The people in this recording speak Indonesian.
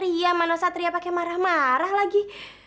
ini dia yang marah lagi